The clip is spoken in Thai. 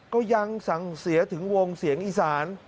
ก็ยังสั่งเสียถึงวงเสียงอีสาน